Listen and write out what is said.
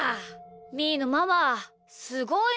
みーのママすごいな。